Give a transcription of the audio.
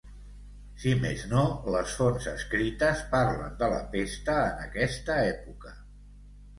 Si més no les fonts escrites parlen de la pesta en aquesta època.